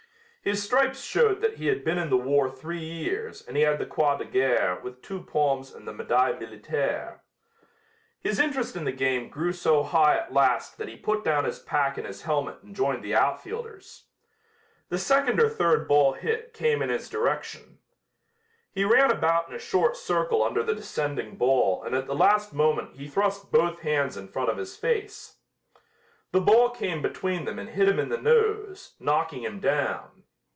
His stripes showed that he had been in the war three years and he had the croix de guerre with two palms and the medaille militaire. His interest in the game grew so high at last that he put down his pack and his helmet and joined the outfielders. The second or third ball hit came in his direction. He ran about in a short circle under the descending ball and at the last moment he thrust both hands in front of his face. The ball came between them and hit him in the nose, knocking him down.